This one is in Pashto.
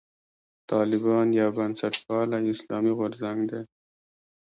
طالبان یو بنسټپالی اسلامي غورځنګ دی.